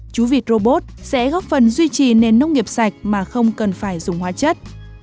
chú vịt robot sẽ góp phần duy trì nền nông nghiệp sạch mà không cần phải dùng hóa chất